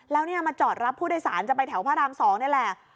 แล้วเนี่ยมาจอดรับผู้โดยสารจะไปแถวพระราม๒นี่แหละ